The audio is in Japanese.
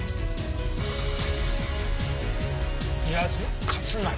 谷津勝成。